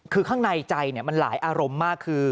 คือข้างในใจมันหลายอารมณ์มากคือ